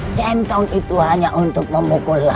tentong itu hanya untuk memukul alat